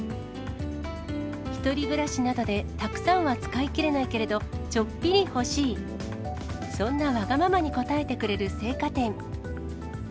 １人暮らしなどで、たくさんは使いきれないけれど、ちょっぴり欲しい、そんなわがままに応えてくれる青果店。